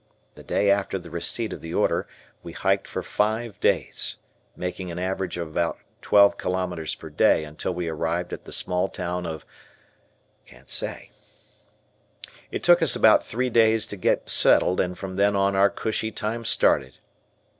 The day after the receipt of the order we hiked for five days, making an average of about twelve kilos per day until we arrived at the small town of 0' . It took us about three days to get settled and from then on our cushy time started.